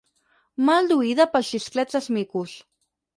Mal d'oïda pels xisclets dels micos.